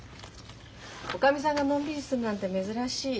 おかみさんがのんびりするなんて珍しい。